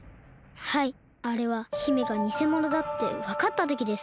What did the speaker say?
はいあれは姫がにせものだってわかったときです。